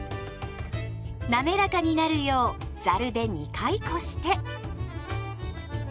なめらかになるようざるで２回こして。